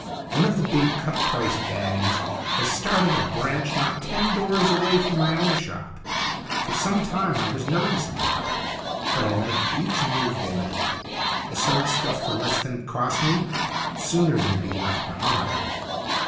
One of the big cut price gangs has started a branch not ten doors away from my own shop. For some time I was nervous about it. I met each move they made. I sold stuff for less than it cost me, sooner than be left behind."